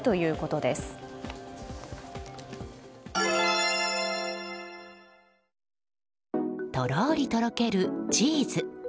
とろーりとろけるチーズ。